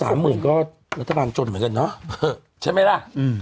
ถ้า๓๐๐๐บาทก็ละตรายมันขนาดนั้นจนเหมือนกันน้อสิครับจริงไม่แล้ว